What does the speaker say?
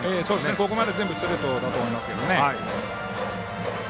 ここまで全部ストレートだと思いますね。